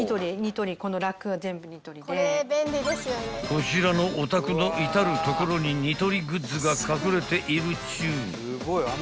［こちらのお宅の至る所にニトリグッズが隠れているっちゅう］